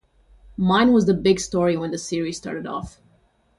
Mine was the big story when the series started off.